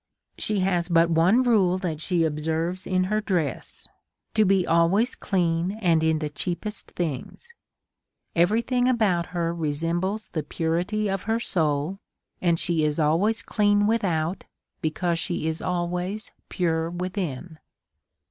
She has but one rule that she observes in her dress, to be always clean and in the cheapest things. Every thing about her resem bles the purity of her soul, and she is always clean without, because she is always pure within.